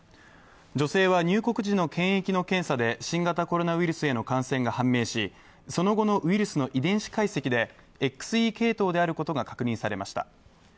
女性は入国時の検疫の検査で新型コロナウイルスへの感染が判明し、その後のウイルスの遺伝子解析でＸＥ系統であることが確認されました。